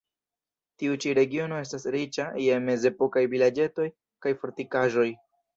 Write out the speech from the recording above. Tiu ĉi regiono estas riĉa je mezepokaj vilaĝetoj kaj fortikaĵoj.